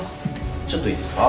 ちょっといいですか？